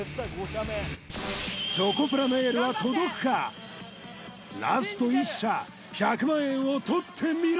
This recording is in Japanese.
チョコプラのエールは届くかラスト１射１００万円をとってみろ！